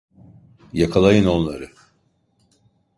Yakalayın onları!